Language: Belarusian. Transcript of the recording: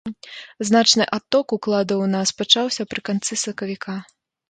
Значны адток укладаў у нас пачаўся пры канцы сакавіка.